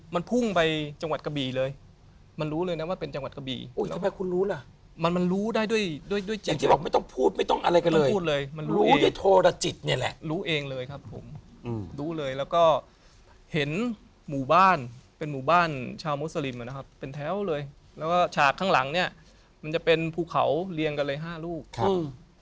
ไม่มีอยู่คนเดียวอยู่ค้นโดคนเดียว